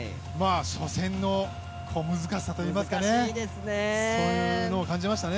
初戦の難しさといいますか、そういうのを感じましたね。